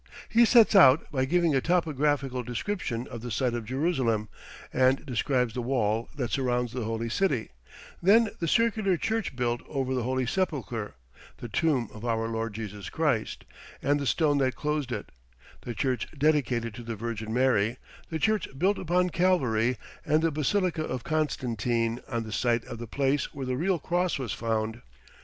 He sets out by giving a topographical description of the site of Jerusalem, and describes the wall that surrounds the holy city, then the circular church built over the Holy Sepulchre, the tomb of our Lord Jesus Christ, and the stone that closed it, the church dedicated to the Virgin Mary, the church built upon Calvary, and the basilica of Constantine on the site of the place where the real cross was found.